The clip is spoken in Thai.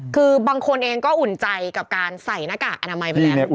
คือบางคนเองก็อุ่นใจกับการใส่หน้ากากอนามัยไปแล้ว